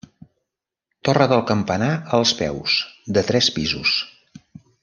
Torre del campanar als peus, de tres pisos.